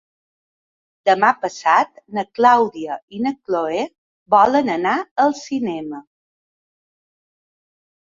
Demà passat na Clàudia i na Cloè volen anar al cinema.